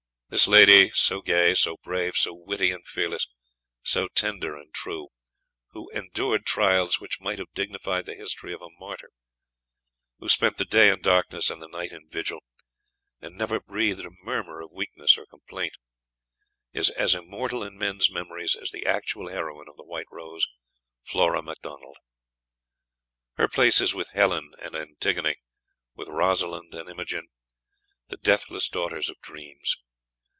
This lady, so gay, so brave, so witty and fearless, so tender and true, who "endured trials which might have dignified the history of a martyr, ... who spent the day in darkness and the night in vigil, and never breathed a murmur of weakness or complaint," is as immortal in men's memories as the actual heroine of the White Rose, Flora Macdonald. Her place is with Helen and Antigone, with Rosalind and Imogen, the deathless daughters of dreams.